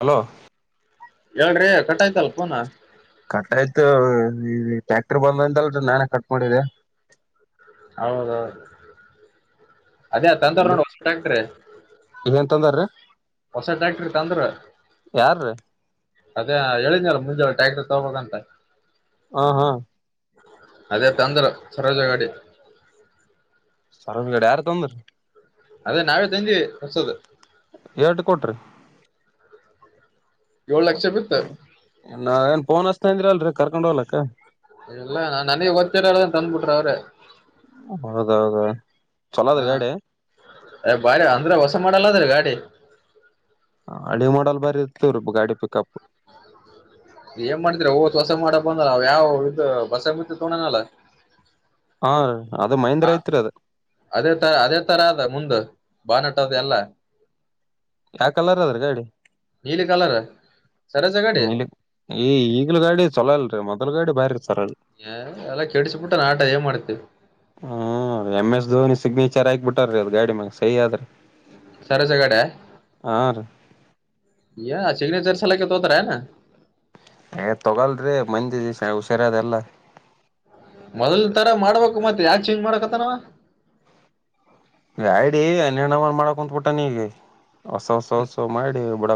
Hello ಹೇಳ್ರಿ ಕಟಾಯ್ತಲ್ phone cut ಆಯ್ತು ಟ್ಯಾಕ್ಟರ್ ಬಂದಂತಲ್ ನಾನ ಕಟ್ ಮಾಡಿದ್ದೆ ಹೌದೌದು ಅದೇ ತಂತವರು ಅಲ್ಲಿ ನೋಡ್ತ್ ಏನ್ ತಂದಾರ್ರೀ ಹೊಸದ ಡಾಕ್ಟ್ರೀ ತ ಅಂದ್ರ ಯಾರ ರೀ ಅದೇ ಹೇಳನಲ್ಲ ಮುಂಜೆಳೆ ಟ್ಯಾಕ್ಟರ್ ತಗಬಬೇಕಂತ ಹ ಹಾ ಅದೇ ತಂದ್ರ ಸರೋಜ ಗಾಡಿ ಸರರ ಕಡೆ ಯಾರ ತೊಂದ್ರ ಅದೇ ನಾವೇ ತಂದಿವವಿ ಹೊಸೋದು ಎರಡು ಕೊಟ್ರಿ ಏಳ್ ಲಕ್ಷ ಬಿತ್ತು ಅಂದ್ರು ಅಲ್ರರಿ ಕರ್ಕೊಂಡ್ ಹೋಗಲಕ್ಕ ಇಲ್ಲ ನಾನ್ ನನಗೆ ಒತ್ತರ ಹೇಳದನ್ ತಂದ್ಬಿಟ್ರೆ ಅವ್ರೆ ಹೌದೌದ ಚಲೋದ್ರಿ ಹಾ ಗಾಡಿ ಅ ಬಾರಿ ಅಂದ್ರೆ ಹೊಸ ಮಾಡಲ್ಲದ್ರೀ ಗಾಡಿ [inaudible] ಹಳಿ ಮಾಡಲ್ ಬರರ್ತವ್ರೀ ಗಾಡಿ ಪಿಕಪ್ ಏನ್ ಮಾಡ್ತರ ಓ ಹೊಸ ಮಾಡ ಬಂದ ಅವ ಯಾವ್ ಇದದು ಬಸ ಮತ್ತ ತೋಡನಲ್ಲ ಹಾ ಅದ ಮಹೇಂದ್ರ ಹ ಐತ್ರಿ ಅದ ಅದೇ ತರ ಅದೇ ತರ ಅದ ಮುಂದ ಬಾನಟದ ಅಲ್ಲ ಯಾ ಕಲರ್ ಅದ್ರ ಗಾಡಿ ಕಲರ್ ಸರೋಜ ಗಾಡಿ ನೀಲಿ ಈ ಈಗ್ಲ ಗಾಡಿ ಚಲೋ ಇಲ್ರಿ ಮೊದ್ಲು ಗಾಡಿ ಬಾರಿ [inaudible] ಚಚಾರ ಏ, ಎಲ್ಲ ಕೆಡಿಸ್ಬಿಟ್ಟ ನಾಟ ಏನ್ ಮಾಡ್ತಿ ಹಾಕ್ಬ ಬಿಟ್ಟ್ರೀ ಅದು ಗಾಡಿ ಮಾಗ ಸಹ ಆದ್ರರಿ ಸರ ಸಗಡೆ ಹಾ ರೀ ಯ ಸಿಗ್ನೇಚರ್ ಸಲಕ ತೋತರನಾ ಏ ತಗಲ್ರಿ ಮಂದಿ ಉುಷಾರದೆಲ್ಲ ಮೊದಲ್ ತರ ಮಾಡ್ಬೇಕು ಮತ್ ಯಾ ಚೇಂಜ್ ಮಾಡಕತ್ತನಾವ ರಡಿ ಅರ್ಣವ ಮಾಡಕ ಕುಂತ್ಬುಟ್ಟ ನೀಗ ಹೊಸ ಹೊಸ ಹೊಸ ಮಾಡಿ ಬುಡ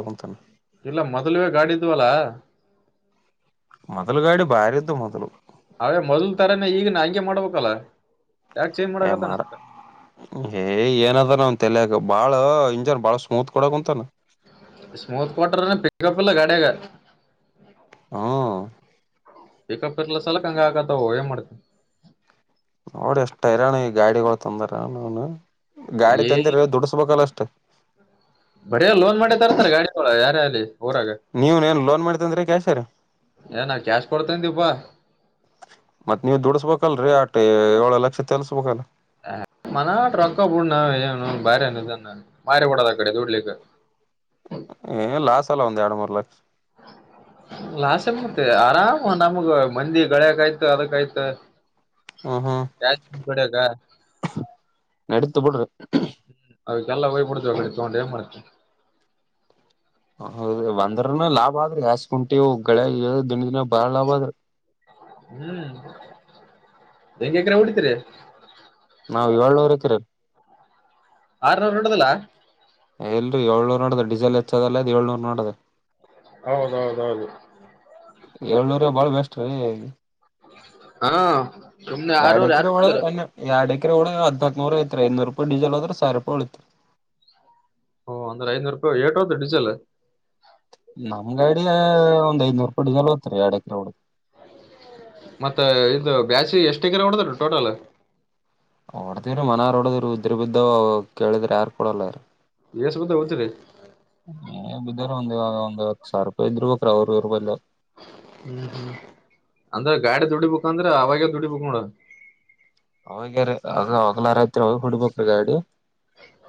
ಇಲ್ಲ ಮೊದಲ್ವೆ ಗಾಡಿದ್ವಲ್ಲಾ ಮೊದಲು ಗಾಡಿ ಬಾರಿ ಇದ್ದು ಮೊದಲು ಅವೇ ಮೊದಲ್ ತರಾನ ಈಗ ನ ಹಂಗೆ ಮಾಡ್ಬೇಕಲ್ಲ ಯಾಕೆ ಚೇಂಜ್ ಏ ಮಾಡಕತ್ತಾನ ಮಾಡ ಏ ಏನದ ನನ್ ತಲ ಈಗ ಬಾಳ ಇಂಜನ್ ಬಾಳ ಸ್ಮೂತ್ ಕೊಡಕ್ ಉಂತಾನ ಸ್ಮೂತ್ ಕಟರ್ ಪಿಕಪ್ ಅಲ್ಲ ಗಾಡಿಯಗ ಹಾ ಪಿಕಪ್ ಇರ್ಲ್ಲ ಸಲಕ್ ಹಂಗ ಆಗತ್ತ ಏನ್ ಮಾಡ್ತ ನೋಡಿ ಎಷ್ಟ ಇರಾನ ಈ ಗಾಡಿಗಳು ತಂದಾರ ನ ಗಾಡಿ ಏ ತಂದಿರ ದುಡಸ್ಬೇಕಲ್ಲ ಅಷ್ಟ ತ್ತ ಬರೇ ಲೋನ್ ಮಾಡಿ ತರ್ತಾರ ಗಾಡಿ ಯಾರೇ ಅಲ್ಲಿ ಊರಾಗ ನೀವ್ನೇನ್ ಲೋನ್ ಮಾಡಿ ತಂದ್ರಿ ಕ್ಯಾಶ್ ರೀ ಏನ ಕ್ಯಾಶ್ ಕೊಡ್ತನ್ಪಾ ಮತ್ತ್ ನೀವ್ ದುಡಸ್ಬೇಕಲ್ರೀ ಆಟ ಏಳ ಲಕ್ಷ ತಲ್ಸ್ಬೇಕಲ್ಲ ಮನಾಟ ರೊಕ್ಕಬುಡ್ಣ ಏನು ಬರೆ ಮಾರ ಪಡೋದ ಅ ಕಡೆ ದುಡ್ಲಿಕ್ಕೆ ಏ ಲಾಸ್ ಎಲ್ಲ ಒಂದು ಎರಡು ಮೂರು ಲಕ್ಷ್ ಹ ಲಾಸೆ ಬತ ಆರಾಮ ನಮಗ ಮಂದಿ ಗಳಿಯಕ ಆಯ್ತು ಅದಕಾಯ್ತು ಹ್ಮ್ ಹ್ಮ್ ಯಡ ಹ್ಮ ನಡೀತು ಬಿಡ್ರಿ [unintelligible] ಅವದಕ್ಕೆಲ್ಲ ಹಯ್ಬಡ್ತವಿಡೆ ತಗೊಂಡು ಏನ್ ಮಾಡತ ಹೌದ ಒಂದ್ರನ ಲಾಭ ಆದ್ರಿ ಯಸ್ ಕುುಂಟವು ಗಳ ದಂಡ ದಿನ ಬಾಳ ಲಾಭ ಆದ್ ಹ್ಮ್ ಬೆಂಕಕ್ರ ಹೊಡಿತೀರಿ ನಾವ್ ಇಳೋರ್ ಹತ್ತೀರರಿ ಆರ್ನರು ನಡದಿಲ್ಲ ಎಲ್ರರಿ ಏಳ್ನೂರ್ ನೋಡದ ಡೀಸೆಲ್ ಹೆಚ್ಚದ ಅಲ್ಲ ಅ್ ಏಳ್ನೂರ್ ನೋಡದೆ ಹೌದೌದೌದು ಏಳ್ನೂರ ಬಾಳ ಬೆಸ್ಟ್ ರೀ ಹಾ ಸುಮ್ನೆ ಎರಡ್ ಆರೂರ್ ಯಾರ್ ಎಕರೆ ಒಳ ಬಿಡ್ತಾರ ಒ ಎರಡ ್ರ ಒಳ ಹದ ಹಿನಾ ನೂರ ಐ ಐನೂರು ರೂಪಾಯ ಡೀಸಲ್ದ ಸಾವಿ ರೂಪಾಯಿ ಉಳಐತ್ರಿ ಓ ಅಂದ್ರ ಐನೂರು ರೂಪಾಯ ಏಟೋತ್ತು ಡಿಜಲ್ ನಮ್ ಗಾಡಿಯ ಒಂದ್ ಐದ್ನೂರು ಕೂಡಿ ಜಲ ಹತಾರೆ ಎರಡ್ ಎಕರೆ ಹುಡು ಮತ್ತ ಇದು ಬ್ಯಾಸಿ ಎಷ್ಟಗರ ಹೊಡದ್ರೀ ಟೋಟಲ್ ಹೊಓಡದವ್ರೀ ಮನಾರ್ ೋಡದ್ರರು ಉದ್ರ ಬಿದ್ದ ಕೇಳಿದ್ರ ಯಾರಾರ್ ಕೊಡಲ್ಲ ಯಾರ ಎಷ್ಟ್ ಬಿದ್ದ ಹೋಗ್ತೀರಿ ಹ ಬೋ ಒ ಹ ಸಾವಿ ರೂಪಿ ಇದ್ಬೇಕ್ರ ಅವ್ರರೂ ರೂಪಾಯಲ್ಲ ಹ ಹ್ಮ ಅಂದ್ರೆ ಗಾಡಿ ದುಡಿ ಬುಕ್ ಅಂದ್ರೆ ಅವಾಗ್ಯ ದುಡಿ ಬುಕ್ ನೋಡ್ರ ಅವಗ್ಯಾರ ಅವ ಅವೋಗ್ಲಾರೈತ್ರಿ ಅವಾಗ ಹುಡ್ಬ್ರೀ ಗಾಡಿ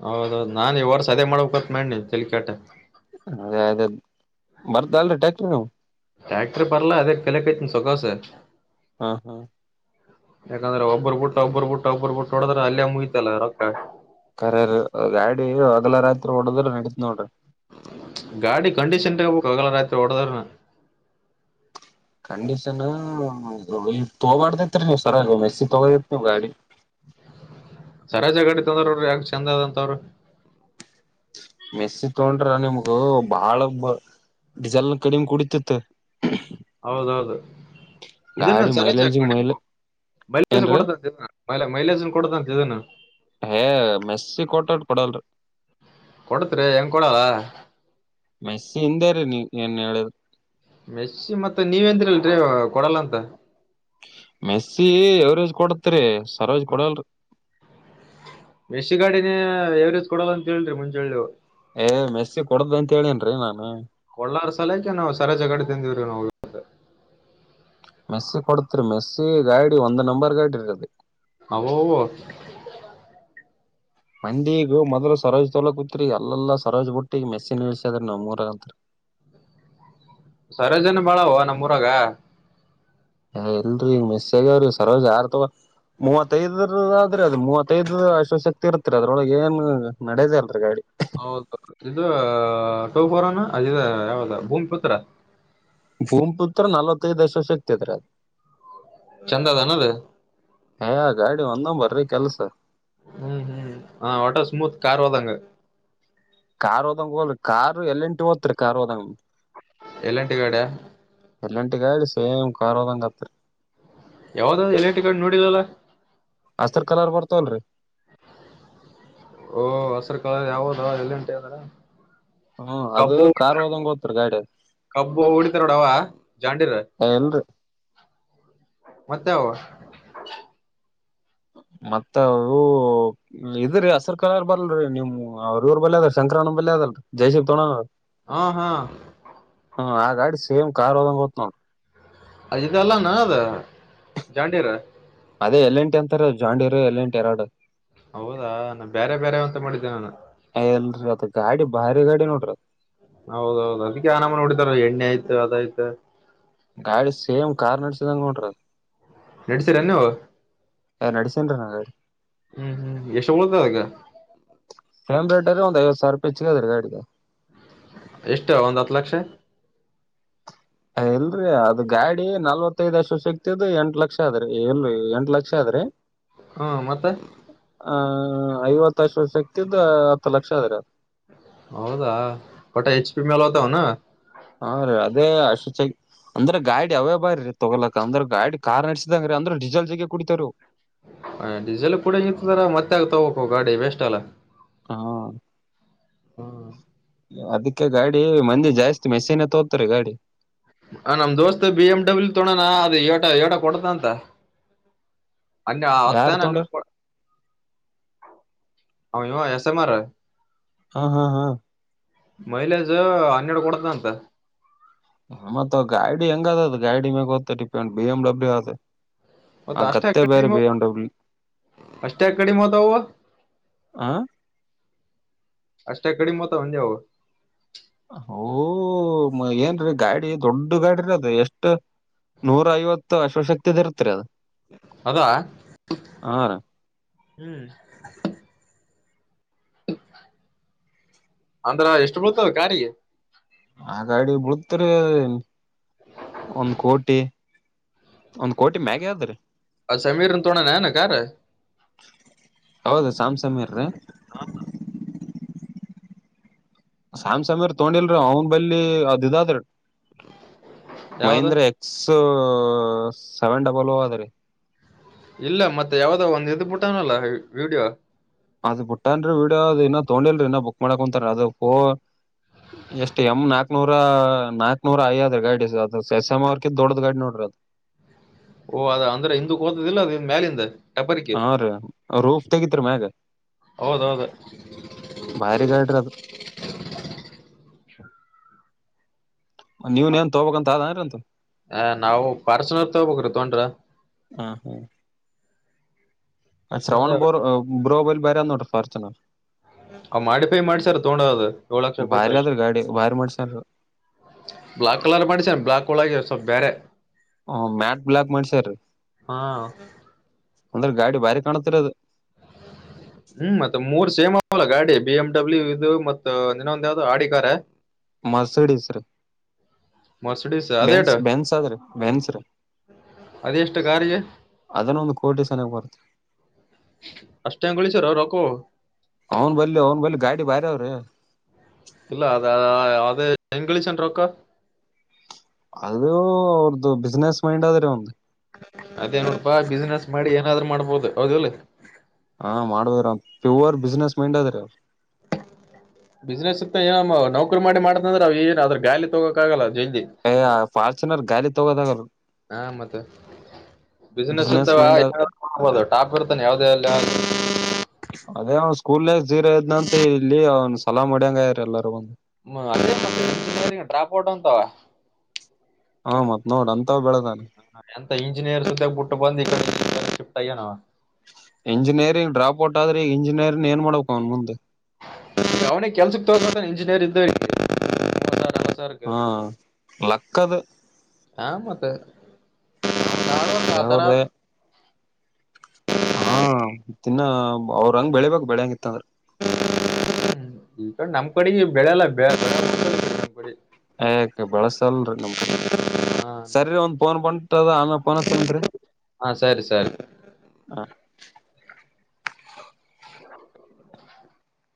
ಹೌದೌದು್ ನಾನ್ ಇ ವರ್ಷ ಅದೇ ಮಾಡ್ಬೇಕಕತ್ ಮಾಡೇ ನೀ ತಲಿಕಾಟ ಅದೇ ಅದೇ ಬರ್ದಲ್ರಿ ಟ್ಯಾಕ್ಟ್ರ ನೀವು ಟ್ಯಾಕ್ಟರ್ ಪರಲ ಅದೇ ಪಲೆ ಕಯ್ತನ ಸೊಖಾವಸ ಹಾ ಹಾ ಯಾಕಂದ್ರೆ ಒಬ್ಬರು ಬ ಬಿಟ್ಟ ಒಬ್ಬರು ಬ ಬಿಟ್ಟ ಒಬ್ಬರು ಬಿಟ್ಟ ಹೊಡದ್ರ ಅಲ್ಲಿಯ ಮುಗತಲ್ಲ ರೊಕ್ಕ ಕಖರರ್ ಗಾಡಿ ಹಗ್ಲ ರಾತ್ರಿ ಹೊಓಡದ್ರ ನಡತ್ ನೋಡ್ರಿ ಗಾಡಿ ಕಂಡೀಷನ್ಟ ಆಗಲ್ಲ ರಾತ್ರಿ ಓಡದಾರ ಕಂಡೀಷನ್ ತಗಬಾರ್ದೈತ್ರಿ ನೀವ್ ಸರ ಮೆಸ್ಸಿ ತಗೋದಿತ್ ನೀ್ ಗಾಡಿ ಸರಾಜಗಾಡಿ ತಂದ್ರವರು ಯಾಕೆ ಚೆಂದ ಅದಂತವರು ಮೆಸಿ ತೊಂಡ್ರ ನಿಮಗೂ ಬಾಳ ಬ ಡೀಿಸೆಲ್ ಕಡಿಮೆ ಕುಡತಿತ್ತು ಹೌದೌದು ಇದನ್ನ ಗಾಡಿ ಸರಜ ಮೈಲೇಜ್ ಮೈಲ ಕಡಿಮು ಮೈಲಜನ್ ಏನ್ರೀ ಕೊಡತಂತ ಇದ ಮೈ ಮೈಲೇಜನ್ ಕೊಡತಂತ ಇದಾನ ಪಡಲ್ಲ ಕೊಡತ್ರಿ ಹೆಂಗ್ ಕೊಡಲ್ಲ ಮೈಸ ಹಿಂದೇ ರೀ ನೀ ಏನ್ ಹೇಳಿದ್ ಮೆಸಿ ಮತ್ತತ್ ನೀವಂದಿ್ರ ಅಲ್ರಿ ಕೊಡಲ್ಲ ಅಂತ ಮೆಸ್ಸಿ ಎವರೇಜ್ ಕೊಡತ್ರಿ ಸರೋಜ್ ಹ ಕೊಡಲ್ರಿ ಬಸಿ ಗಾಡಿಿನ [unintelligible] ಾವವರೇಜ ಕೊೋ ಅಂತ ಹೇಳಿ ಮುಂಚೆೇಳಿ ಏ ಮೆಸ್ಸಿ ಕೊಡದ್ದ ಅಂತ ಹೇಳೇನ್ರಿ ನಾನು ಕಳ್ಳಾರ ಸಲಕ ನಾವವು ಸರಾಜಗಡೆ ತಿಂದಿವವ್ರಿ ನಾವು ಮೆಸ್ಸಿ ಕೊಡ್ತ್ರಿ ಮೆಸ್ಸಿ ಗಾಡಿ ಒಂದ್ ನಂಬರ್ ಗಾಡಿ ಇರ್ದೆ ಅವು ಮಂದಿಗ ಮೊದ್ಲು ಸರೋಜ್ ತೊಲಕ ಕುತ್ರಿೀ ಎಲ್ಲಾ ಸರೋಜ್ ಬಟ್ಟಿ ಈ ಮೆಸಿ ನಿಲ್ಸದ್ರ ನಾವ್ ಮೂರಂತರಿ ಸರಜನ ಬಾಳವ ನಮ್ಮೂರಾಗ ಹ ಎಲ್ರರಿ ಈಗ ಮೆಸ್ಗ್ಯಾವ್ರಿ ಸರೋಜ್ ಯಾರು ತಗ ಮೂವತ್ತೈದರ ಆದ್ರೆ ಅದು ಮೂವತ್ತೈದು ಅಶ್ವಶಕ್ತಿ ಇರ್ತ್ರಿ ಅದ್ರೊಳಗೆ ಏನ್ ನಡದೇ ಅಲ್ರರಿ ಗಾಡಿ ಹೌದ ಇದು ಟೋಫರೋನಾ ಅ ಯಾವದ ಭೂಮಿ ಪುತ್ರ ಭೂಮಿಪುತ್ರ ನಲ್ವತ್ತೈದು ದಶ ವರ್ಷ ಸಿಗ್ತದ್ರ ಅದ ಚಂದ ಅದ ಅನ್ನದ ಹ ಗಾಡಿ ಒಂದ ಬರ್ರಿ ಕೆಲ್ಸ ಹ್ಮ್ ಹ್ಮ್ ಹ ವಟರ್ ಸ್ಮೂತ್ ಕಾರ್ವಾದಂಗ ಕಾರ್ ಹೋದಂಗ ಹೋಲ್ ಕಾರ್ ಎಲ್ಲಿಂಟು ಓತ್ರಿ ಕಾರ್ ಹೋದಂಗ ಎಲ್ಲಂಟಿಗಾಡೆ ಸೇ್ ಕಾರರೋದಂಗತ್ರು ಯಾವ್ದ ಎಲೆಕ್ಟ್ರಿಕಟ್ ನೋಡಿಿದಲ್ಲ ಹಸ್ರ್ ಕಲರ್ ಬರ್ತಲ್ರಿ ಓಹ ಹಸರು ಕಳ ಯಾವದ ಎಲ್ಲಿಂಟ ಅದಾರ ಹ್ಮ ಅದು ಕಾರ್ ಹೋದಂಗೆ ಓತ್ತರಿ ಗಾಡಿ ಕಬ್ಬು ಉಳಿತಾರೋಡವ ಜಾಂಡಿರ ಏ ಇಲ್ರಿ ಮತ್ತೆ [unintelligible] ಮತ್ತ ಅವು ಇದ್ರೀ ಅಸರ್ ಕರರ್ ಬರಲ್ರಿ ನೀಮ್ ಅವ್ರ ಇವ್ರ ಬಲ್ಯ ಅದ ಶಂಕರಾನ ಬಲ್ ಅದ ಜಯ ಶಕ್ತೋಣ ಹ ಹಾ ಹ್ಮ ಆ ಗಾಡಿ ಸೇಮ್ ಕಾರ್ ಹಓದಂಗ ಹತನವು ಅದು ಅಲ್ಲ ನ ಅದ ಜಾಂಡೀರ ಅದೇ ಎಲ್ಲೆಂಟಿ ಅಂತಾರ ಜಾಂಡಿರು ಎಲ್ಲೆಂಟಿ ಎರಡು ಹೌದಾ ನ ಬೇರೆ ಬೇರೆ ಅಂತ ಮಾಡಿದ್ದೇ ನಾನು ಬಾರಿ ಗಾಡಿ ನೋಡ್ರ ಹೌದೌದು ಅದಕ್ಕೆ ಆನಾಮ ನೋಡಿದಾರ ಎಣ್ಣೆ ಆಯ್ತು ಅದಾಯ್ತು ಗಾಳ ಸೇಮ್ ಕಾರ್ ನಡ್ಸಿದಂಗಟ್ರದು ನಡ್ಸಿರನ್ನು ಚ ನಾಗರ್ ಹ್ಮ್ ಹ್ಮ್ ಎಷ್ಟು ಮೂದ ಅಕ್ಕ ಹ್ಯಾಟರ ಒಂದು ಐವತ್ತು ಸಾವಿ ರೂಪಾಯಿ ಹೆಚ್ಚಿಗೆ ಅದ ರ ಗಾಡಿಗೆ ಎಷ್ಟ ಒಂದ್ ಹತ್ತು ಲಕ್ಷ ಎಲ್ರಿ ಅದ ಗಾಡಿ ನಲ್ವತ್ತದ್ಷಸಿಗ್ತದ ಎಂಟ ಲಕ್ಷ ಆದದ್ರಿ ಎಲ್ರಿ ಎಂಟ ಲಕ್ಷ ಆದದ್ರಿ ಹಾ ಮತ್ತೆ ಹ್ಮ ಐವತ್ತಷ್ಟು ಶಕ್ತಿದ್ದ ಹತ್ತು ಲಕ್ಷ ಅದ್ರ ಹೌದಾ ಒಟ್ಟ ಹೆಚ್ ಪಿ ಮೇಲೆ ಹತಾವನ ಹಾ ರೀ ಅದೇ ಅ ಶುಚಾಗಿ ಅಂದ್ರೆ ಗಾಡಿ ಅವೇ ಬಾರಿ ರೀ ತೊಗೋಲಕ್ ಅಂದ್ರೆ ಗಾಡಿ ಕಾರ್ ನಡೆಸಿದಂಗೀ ಅಂದ್ರೆ ಡೀಜೆಲ್ ಜಗ ಕುಡಿತಾರರು ಹ ಡೀಸೆಲ್ ಕೂಡ ಇತ್ತದಾರ ಮತ್ತೆ ಆಗ್ತಬೇಕು ಗಾಡಿ ವೇಸ್ಟ್ ಅಲ್ಲ ಹಾ ಹ್ಮ್ ಅದ ಯಾಕೆ ಗಾಡಿ ಮಂದಿ ಜಾಸ್ತಿ ಮೆಸೀನ್ ತೋತರಿ ಗಾಡಿ ಹ ನಮ್ ದೋಸ್ತ್ ಬಿ ಎಮ್ ಡಬ್ಲ್ಯ ತೊಳೋಣ ಅದ ಏಟ ಏಟ ಕೊಡತ ಅಂತ ಅೆ ಆತ್ತ ಯಾರ್ ನನ್ನ ತೊಂಡ್ರ ಹ ಇ ಎಸೆ ಮಾಡಾರ ಹಾ ಹಾ ಹಾ ಮೈಲೇಜ್ ಹನ್ನೆರಡು ಕೊಡತ ಅಂತ ಮತ್ತತ್ ಗೈಡಿ ಹೆಂಗ ಅದದದು ಗೈಡಿ ಮೇಾಗತ್ತ ಡಿಪೆಂಡ್ ಬಿ ಎಮ್ ಡಬ್ಲ್ಯಅ ಮತ್ತ ಆ ಅಷ್ಟೇ ಗತ್ತ ಬೇರೆ ಕಡಿಮೆ ಬಂಡ ಬಿ ಅಷ್ಟೇ ಕಡಿಮತಾವವ ಆ ಅಷ್ಟೇ ಕಡಿಮ ಮತ ಒಂದೆಾವ ಓ ಏನ್ರೀ ಗಾಡಿ ದೊಡ್ಡ ಗಾಡಿ ರೀ ಅದ ಎಷ್ಟು ನೂರ ಐವತ್ತು ಅಶ್ವಶಕ್ತಿದ ಇರ್ತರಿ ಅದು ಅದಾ ರೀ ಹ್ಮ್ ಅಂದ್ರ ಎಷ್ಟು ಬಳ್ತವೆ ಕಾರಿಗೆ ಆ ಗಾಡಿ ಬಳತ್ರಿ ಒಂದ್ ಕೋಟಿ ಒಂದ್ ಕೋಟಿ ಮ್ಯಾಗ ಆದ್ದ್ ಅ ಸಮೀರ ತೋಣಾನನ ಕಾರ ಹೌದು ಸ್ಯಾಮಸಂಗ್ ಇರ್ ರೀ ಹಾ ಸ್ಯಾಮ್ಸಂಗ್ರ್ ತಗೊಂಡಿಲ್ರಿ ಅವ್ನ್ ಬಲ್ಲಿ ಅದ್ ಇದಾದ್ರ ಯಾವ್ದ ಮಹೇಂದ್ರ ಎಕ್ಸ್ ಹ ಸೆವೆನ್ ಡಬಲ್ ಅದ ರೀ ಇಲ್ಲ ಮತ್ತೆ ಯಾವ್ದೋ ಒಂದ್ ಇದ್ದ್ಬಟ್ಟನಲ್ಲ ವಿಡಿಯೋ ಅದ್ ಬಿಟ್ಟನ್ರಿ ವಿಡಿಯೋ ಅದ್ ಇನ್ನ ತೊಗೊಂಡಿಲ್ರಿ. ಇನ್ನ ಬುಕ್ ಮಾಡಕೊಂತಾರ ಅದ ಹೋ ಎಷ್ಟ್ ಎಮ್ಮ್ ನಾಕ್ನೂರ -ನಾಕ್ನೂರ ಯ್ಯದ್ರೀ ಗಾಡಿ ಅದು ಶೇಸ್ಯಾಮ ಅವರ್ ಕಿನದೊಡ್ಡ್ದ ಗಾಡಿ ನೋಡ್ರಿ ಅದು. ಓಹ, ಅದ ಅಂದ್ರೆ ಹಿಂದಕ್ ಹೋತದಿಲ್ಲ ಅದ ಮ್ಯಾಲಿಂದ. ಟಪರ್ಕಿ ಹಾ, ರಿ ರೋಪ್ತೇಗಿದ್ದರಿ ಮಾಗ. ಹೌದೌದು. ಭಾರಿ ಗಾಡ್ರಿ ಅದು [unintelligible] ನೀವನ್ನೆನ್ ತೊಬಬೇಕಕ್ಂತ ಅದೆನ್ರಂತದು. ಹ, ನಾವು ಪಾರ್ಸೆನಲ್ ತೋಗಬೇಕ್ರೀ ತೋಗಂಡ್ರ. ಶ್ರವಣ ಬ ಬ್ರೋಬಲಿ ಬಾರಿ ಆದ ನೋಡ್ರಿ ಫಾರ್ಚುನರ್., ಆ ಮಾಡಿಫೈ ಮಾಡ್ಸರ್ ತೊಗಂಡೋದು ಏಳ ಲಕ್ಷ ಕೊಟ್ಟ. ಬಾರಿ ಅದ್ರ ಗಾಡಿ ಬಾರಿ ಮಾಡ್ಸ್ಯಾರ ಬ್ಲಾಕ್ ಕಲರ್ ಮಾಡಸನ. ಬ್ಲಾಕ್ ಒಳಗೆ ಬೇರೆ ಹ ಮ್ಯಾಟ್ ಬ್ಲಾಕ್ ಮಾಡ್ಸರೀ. ಹಾ ಅಂದ್ರೆ ಗಾಡಿ ಬಾರಿ ಕಾಣತ್ತದರಿ ಅದು. ಹೌಲ್ಲ [unintelligible] ಗಾಡಿ ಬಿ, ಎಮ್, ಡಬ್ಲ್ಯೂಇದು ಮತ್ತ ಇನ್ನೊಂದ ಯಾವ್ದು ಆಡಿಕಾರ ಮರ್ಸಿಡಸ್ ಮರ್ಸಿಡೀಸ್ ಅದೇಟ ಬ್ಯೇನ್ಸ ಅದ್ರೀ ಬ್ಯೇನ್ಸ್ ರೀ ಅದೆಷ್ಟು ಕಾರಿಗೆ ಅದನ್ನು ಒಂದು ಕೋಟಿ ಸನಾಕಬರುತ್ತೆ. ಅಷ್ಟೆಂಗ ಉಳಿಸಾರ್ ರಕ್ಕೋ ಅವರು. ಅವನ್ ಬಲ್ಲಿ ಅವ್ನ್ ಬಲ್ಲಿ ಗಾಡಿ ಬಾರಿ ಆವ್ರಿ. ಇಲ್ಲ ಅದ ಅದು ಹೆಂಗ ಗಳೀಷ್ನ್ಯಾನ ರೊಕ್ಕ. ಅದು ಅವ್ರದ್ದ ಬಿಸಿನಸ್ ಮೈಂಡ್ ಆದ ಆದರಿ ಅಲ್ಲಿಂದ. ಅದೇನೋಡಪಾ ಬಿಸ್ನನೆಸ್ ಮಾಡಿ ಏನಾದ್ರು ಮಾಡ್ಬೋದು ಹೌದಲ್ಲ. ಹಾ, ಮಾಡದ್ರ ಪ್ಯೂವರ್ ಬಿಸ್ನೆಸ್ ಮೈಂಡ್ ಆದ್ ಅವ್ರ ಬಿಸ್ನೆಸ್ ಇಕ್ ಏನ ನೌಕರಿ ಮಾಡ್ತ ಅಂದ್ರೆ ಏನ್ ಅದರವ್ಯಾಲೂವ ತಗೋಕ್ ಆಗಲ್ಲ. ಅದು- ಫಾರ್ಚುನರ್ ಗ [unintelligible] ಹಾ, ಮತ್ತ ಬಿಸ್ನೆಸ್ ಇತ್ತಬ ಟಾಪ್ ಇರ್ತಾನ ಯಾವ್ದ ಅದೇ ಅವನ್ ಸ್ಕೂಲ್ ನಲ್ಲಿ ಜಿರೊಇದ್ನ ಅಂತ ಇಲ್ಲಿ ಅವ್ನ್ ಸಲಾಂ ಒಡ್ಯಂಗಯ್ರ ಎಲ್ಲಾರೂ. ಒಂದ್ ಹ್ಮದ [unintelligible] ಡ್ರಾಪ್ ಔಟ ಅಂತಾವ ಹಾ ಮತ್ ನೋಡ ಅಂತ [unintelligible] ಹ ಎಂತ ಇಂಜಿನಿಯರ್ ಸತಕಬುಟ್ಟು ಬಂದ ಇ ಶಿಫ್ಟ ಆಗಾನವ. ಇಂಜಿನಿಯರಿಂಗ್ ಡ್ರಾಪ್ ಔಟ್ ಆದ್ರೆ ಈಗ ಇಂಜಿನಿನೇರ ಏನ್ ಮಾಡ್ಬೇಕು ಅವನ್ ಮುಂದೆ. ಅವಾವನೇ ಕೆಲ್ಸಕ್ಕೆ ತೋದ ಇಂಜಿನಿಯರಿ [unintelligible] ಹಾ ಲಕ್ಕದ ಸಾ ಹ ಮತ್ತ [unintelligible] ನಾರ ಹತರ ದೇವ್ರ [inaudible] ಹಾ, ಇನ್ನ ಅವ್ರ ಹಂಗ ಬೆಳಿಬೇಕ್ ಬೆಳೆಂಗ ಇತ್ತಂದ್ರ. [unintelligible] ಈಗ ನಮ್ ಕಡೆ ಬೆಳೆಲ್ಲ [unintelligible] ನ್ ಕ ಹ ಬಳಸಲ್ರಿ ನಮ್ಕಡೆ. ಹಾ ಸರಿ ಒಂದ್ ಫೋನ್ ಬಂಟದ ಆಮೇ ಫೋನ್ ಹಚ್ಚಂದ್ರಿ. ಸಾರ್ [inaudible]